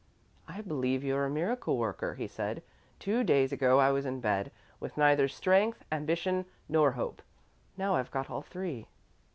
"I believe you're a miracle worker," he said. "Two days ago, I was in bed, with neither strength, ambition, nor hope. Now I've got all three."